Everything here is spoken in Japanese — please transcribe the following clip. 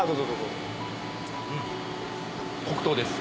うん黒糖です。